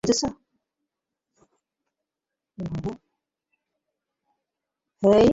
হেই Billy, এত উত্তেজিত হওয়ার কিছু নেই, বুঝেছ?